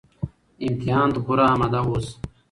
امتحان ته پوره اماده اوسه